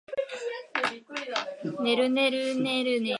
ねるねるねるねの一の粉